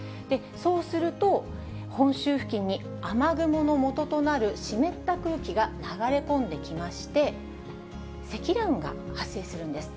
そうすると、本州付近に雨雲のもととなる湿った空気が流れ込んできまして、積乱雲が発生するんです。